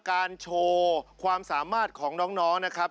โชว์ความสามารถของน้องนะครับ